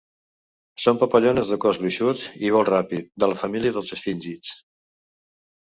Són papallones de cos gruixut i vol ràpid de la família dels esfíngids.